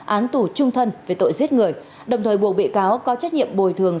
án tù trung thân về tội giết người đồng thời buộc bị cáo có trách nhiệm bồi thường